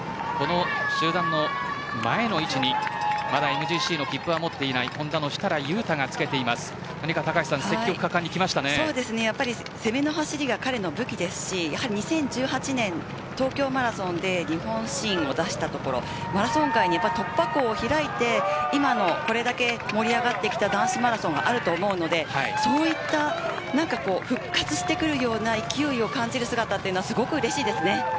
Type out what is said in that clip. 集団の前の位置にＭＧＣの切符を持っていないホンダの設楽悠太が攻めの走りが彼の武器ですし２０１８年の東京マラソンで日本新を出したマラソン界に突破口を開いてこれだけ盛り上がってきた男子マラソンがあると思うので復活してくる勢いを感じる姿はすごくうれしいです。